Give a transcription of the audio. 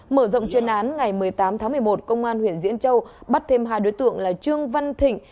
mở rộng chuyên án ngày một mươi tám tháng một mươi một công an huyện diễn châu bắt thêm hai đối tượng là trương văn thịnh